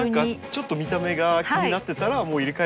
ちょっと見た目が気になってたらもう入れ替えれば。